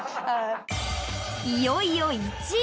いよいよ１位。